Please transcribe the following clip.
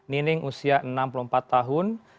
nining usia enam puluh empat tahun